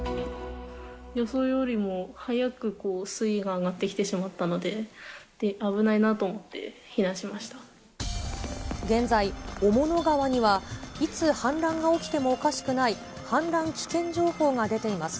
予想よりも早く水位が上がってきてしまったので、現在、雄物川にはいつ氾濫が起きてもおかしくない氾濫危険情報が出ています。